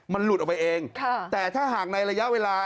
มันหลุดออกไปเองแต่ถ้าหากในระยะเวลา